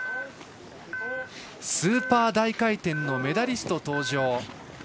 スーパー大回転のメダリスト登場。